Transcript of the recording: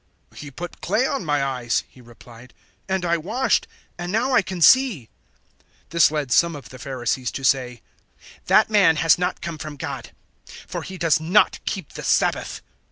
"He put clay on my eyes," he replied, "and I washed, and now I can see." 009:016 This led some of the Pharisees to say, "That man has not come from God, for he does not keep the Sabbath."